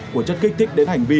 của chất kích thích đến hành vi